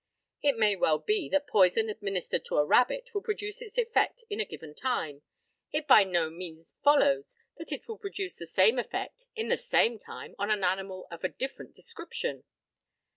It may well be that poison administered to a rabbit will produce its effect in a given time. It by no means follows that it will produce the same effect in the same time on an animal of a different description.